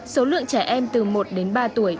số lượng trẻ em từ một đến ba tuổi